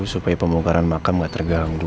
supaya pembongkaran makam gak terganggu